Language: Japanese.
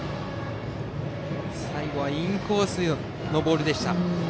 最後はインコースのボールでした。